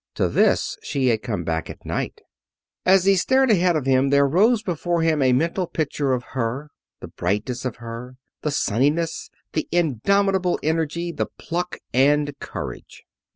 To this she had come back at night. As he stared ahead of him there rose before him a mental picture of her the brightness of her, the sunniness, the indomitable energy, and pluck, and courage.